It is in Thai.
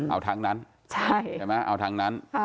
อ๋อเอาทางนั้น